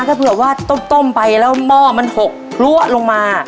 ถ้าเผื่อว่าต้มไปแล้วหม้อมันหกพลัวลงมา